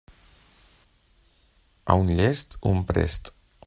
A un llest, un prest.